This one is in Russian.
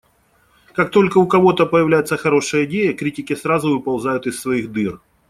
Как только у кого-то появляется хорошая идея, критики сразу выползают из своих дыр.